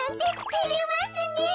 てれますねえ。